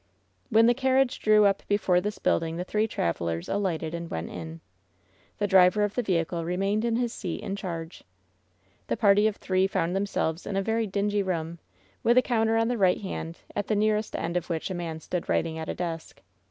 When the carriage drew up before this building the three travelers alighted and went in. The driver of the vehicle remained in his seat in charge. The party of three found themselves in a very dingy room, with a counter on their right hand, at the nearest end of which a man stood writing at a desk.